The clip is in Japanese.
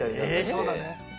そうだね。